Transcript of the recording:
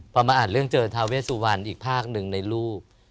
พอมาอ่านเรื่องเจอทาเวสุวรรณอีกภาคหนึ่งในรูป